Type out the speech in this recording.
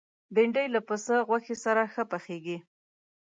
بېنډۍ له پسه غوښې سره ښه پخېږي